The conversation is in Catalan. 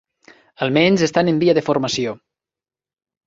Almenys estan en via de formació.